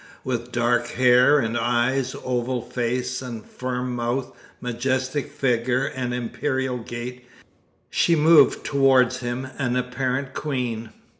With dark hair and eyes, oval face, and firm mouth, majestic figure and imperial gait, she moved towards him an apparent queen.